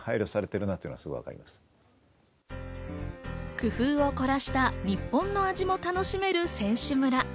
工夫を凝らした日本の味も楽しめる選手村。